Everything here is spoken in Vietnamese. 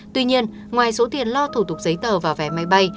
tuy nhiên ngoài số tiền lo thủ tục giấy tờ và vé máy bay